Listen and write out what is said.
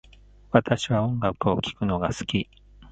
私は音楽を聴くのが好き